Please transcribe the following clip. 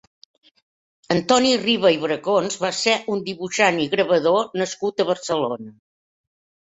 Antoni Riba i Bracons va ser un dibuixant i gravador nascut a Barcelona.